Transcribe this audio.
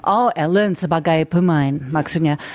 oh helen sebagai pemain maksudnya